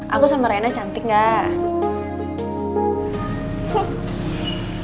aku sama rena cantik gak